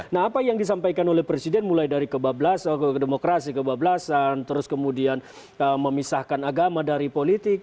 nah apa yang disampaikan oleh presiden mulai dari kebablasan ke demokrasi kebablasan terus kemudian memisahkan agama dari politik